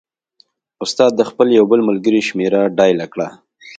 استاد د خپل یو بل ملګري شمېره ډایله کړه.